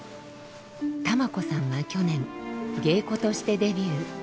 玉幸さんは去年芸妓としてデビュー。